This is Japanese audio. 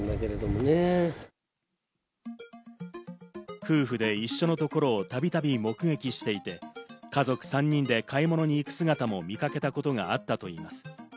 夫婦で一緒のところを度々目撃していて、家族３人で買い物に行く姿も見かけたことがあったといいます。